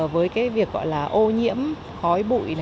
với cái việc gọi là ô nhiễm khói bụi